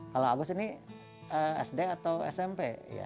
kalau agus ini sd atau smp